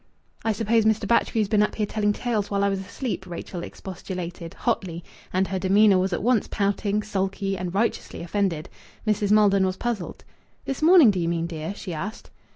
"I suppose Mr. Batchgrew's been up here telling tales while I was asleep," Rachel expostulated, hotly and her demeanour was at once pouting, sulky, and righteously offended. Mrs. Maldon was puzzled. "This morning, do you mean, dear?" she asked.